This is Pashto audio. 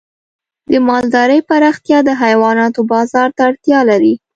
د مالدارۍ پراختیا د حیواناتو بازار ته اړتیا لري.